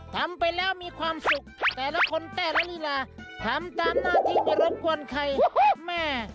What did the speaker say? ทำไปแล้วมีความสุขแต่ละคนแต่ละลีลาทำตามหน้าที่ไม่รบกวนใครแม่